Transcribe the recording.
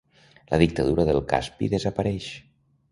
La Dictadura del Caspi desapareix.